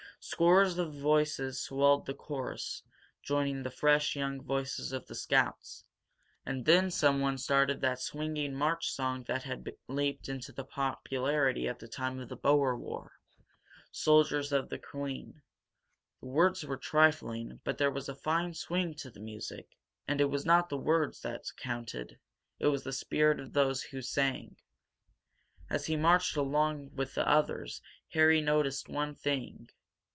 Scores of voices swelled the chorus, joining the fresh young voices of the scouts. And then someone started that swinging march song that had leaped into popularity at the time of the Boer War, Soldiers of the Queen. The words were trifling, but there was a fine swing to the music, and it was not the words that counted it was the spirit of those who sang. As he marched along with the others Harry noticed one thing.